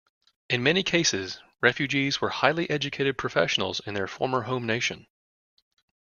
In many cases, Refugees were highly educated professionals in their former home nation.